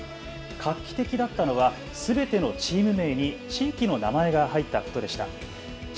画期的だったのはすべてのチーム名に地域の名前が入ったことでした。